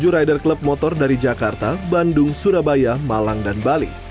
tujuh rider klub motor dari jakarta bandung surabaya malang dan bali